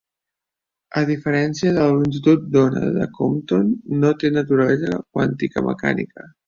A diferència de la longitud d'ona de Compton, no té naturalesa quàntica-mecànica.